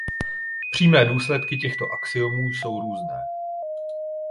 Přímé důsledky těchto axiomů jsou různé.